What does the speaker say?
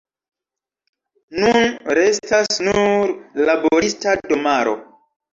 Nun restas nur laborista domaro.